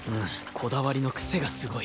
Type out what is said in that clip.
こだわりの癖がすごい。